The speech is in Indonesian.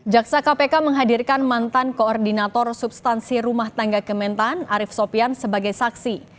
jaksa kpk menghadirkan mantan koordinator substansi rumah tangga kementan arief sopian sebagai saksi